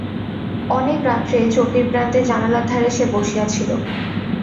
অনেক রাত্রে চৌকির প্রান্তে জানালার ধারে সে বসিয়া ছিল।